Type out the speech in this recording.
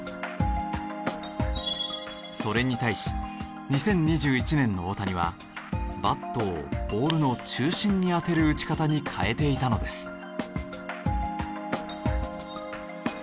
それに対し２０２１年の大谷はバットをボールの中心に当てる打ち方に変えていたのです。